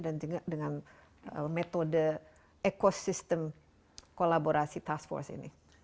dan juga dengan metode ekosistem kolaborasi task force ini